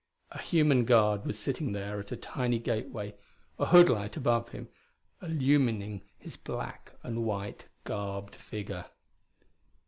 A human guard was sitting there at a tiny gate way, a hood light above him, illumining his black and white garbed figure.